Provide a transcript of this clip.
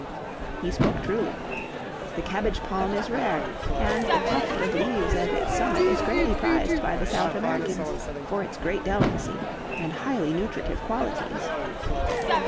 He spoke truly; the cabbage palm is rare, and the tuft of leaves at its summit is greatly prized by the South Americans for its great delicacy and highly nutritive qualities.